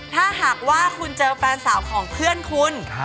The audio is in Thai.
ถ้าหากว่าคุณเจอแฟนสาวของเพื่อนคุณ